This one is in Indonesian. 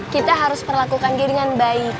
kita harus melakukan dia dengan baik